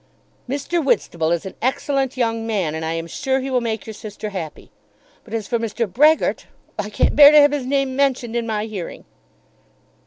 "Mr. Whitstable is an excellent young man, and I am sure he will make your sister happy; but as for Mr. Brehgert, I can't bear to have his name mentioned in my hearing."